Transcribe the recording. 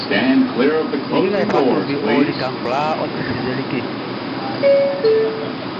Ninnge nga be fa to beʼn be o lika kwlaa, ɔ ti srilɛ like!